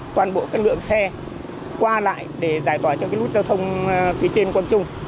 toàn bộ các lượng xe qua lại để giải tỏa cho cái nút giao thông phía trên quần trung